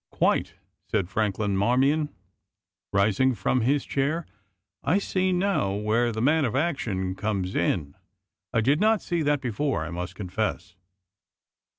"Quite," said Franklin Marmion, rising from his chair. "I see now where the man of action comes in. I did not see that before, I must confess."